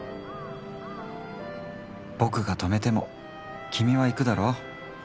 ボクが止めても君は行くだろう。